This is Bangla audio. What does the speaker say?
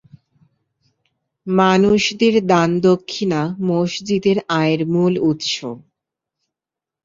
মানুষদের দান-দক্ষিণা মসজিদের আয়ের মূল উৎস।